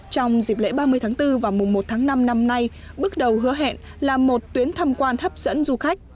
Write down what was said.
trong dịp lễ ba mươi tháng bốn và mùa một tháng năm năm nay bước đầu hứa hẹn là một tuyến thăm quan hấp dẫn du khách